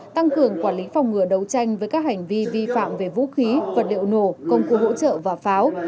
tăng cường quản lý phòng ngừa đấu tranh với các hành vi vi phạm về vũ khí vật liệu nổ công cụ hỗ trợ và pháo